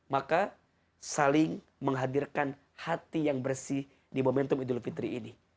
maka saling menghadirkan hati yang bersih di momentum idul fitri ini